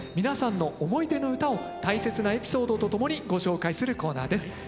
皆さんの思い出の唄を大切なエピソードとともにご紹介するコーナーです。